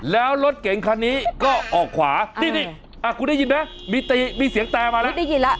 แล้วรถเก่งคันนี้ก็ออกขวาดิดิดอ่ะคุณได้ยินไหมมีเสียงแตมาแล้ว